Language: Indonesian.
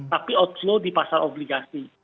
tapi outflow di pasar obligasi